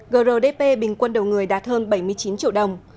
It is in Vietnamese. grdp bình quân đầu người đạt hơn bảy mươi chín triệu đồng